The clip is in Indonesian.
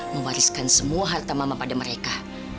mewariskan semua harta mama pada mereka